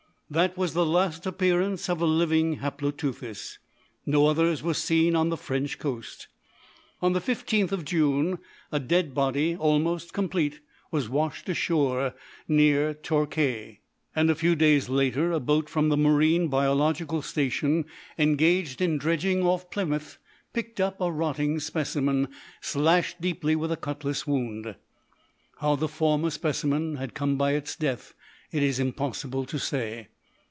That was the last appearance of a living Haploteuthis. No others were seen on the French coast. On the 15th of June a dead body, almost complete, was washed ashore near Torquay, and a few days later a boat from the Marine Biological station, engaged in dredging off Plymouth, picked up a rotting specimen, slashed deeply with a cutlass wound. How the former specimen had come by its death it is impossible to say.